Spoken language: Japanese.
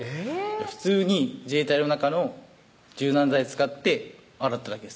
普通に自衛隊の中の柔軟剤使って洗っただけです